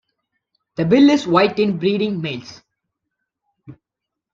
The bill is white in breeding males.